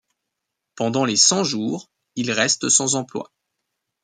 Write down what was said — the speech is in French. Pendant les Cent-jours, il reste sans emploi.